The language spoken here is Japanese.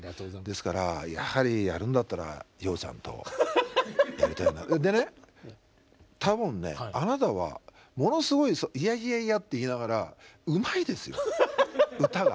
ですからやはりやるんだったらでね多分ねあなたはものすごいいやいやいやって言いながらうまいですよ歌が。